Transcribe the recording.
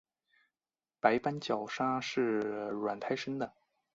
白斑角鲨是卵胎生的。